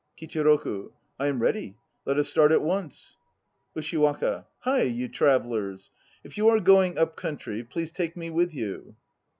KICHIROKU. I am ready. Let us start at once. USHIWAKA. Hie, you travellers! If you are going up country, please take me with you.